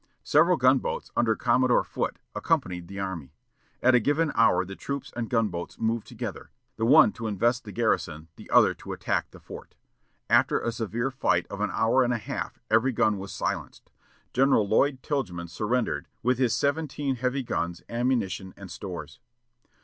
Several gun boats, under Commodore Foote, accompanied the army. At a given hour the troops and gun boats moved together, the one to invest the garrison, the other to attack the fort. After a severe fight of an hour and a half every gun was silenced. General Lloyd Tilghman surrendered, with his seventeen heavy guns, ammunition, and stores.